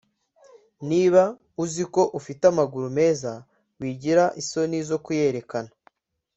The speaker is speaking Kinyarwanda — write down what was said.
niba uziko ufite amaguru meza wigira isoni zo kuyerekana